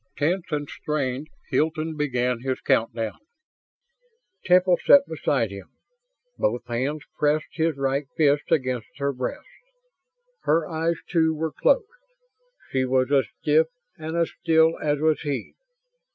Tense and strained, Hilton began his countdown. Temple sat beside him. Both hands pressed his right fist against her breast. Her eyes, too, were closed; she was as stiff and as still as was he.